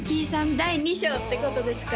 第２章ってことですか？